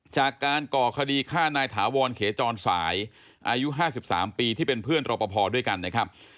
จากการก่อคดีฆ่านายถาวรเขจรสายอายุห้าสิบสามปีที่เป็นเพื่อนรปภด้วยกันนะครับ